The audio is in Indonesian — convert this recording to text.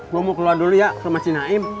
gue mau keluar dulu ya sama si naim